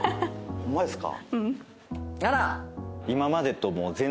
ホンマですか？